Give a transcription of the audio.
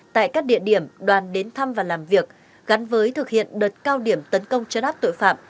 tại các địa điểm đoàn đến thăm và làm việc gắn với thực hiện đợt cao điểm tấn công chấn áp tội phạm